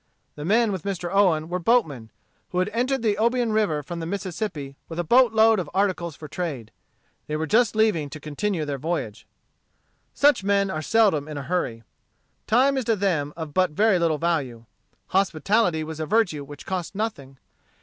The men with Mr. Owen were boatmen, who had entered the Obion River from the Mississippi with a boat load of articles for trade. They were just leaving to continue their voyage. Such men are seldom in a hurry. Time is to them of but very little value. Hospitality was a virtue which cost nothing.